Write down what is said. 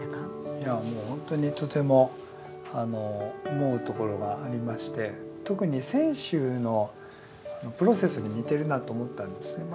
いやもうほんとにとても思うところがありまして特に選手のプロセスに似てるなと思ったんですね。